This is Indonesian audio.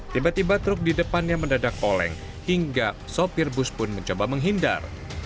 tiba tiba truk di depannya mendadak oleng hingga sopir bus pun mencoba menghindar